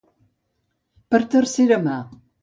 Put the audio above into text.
Per tercera mà.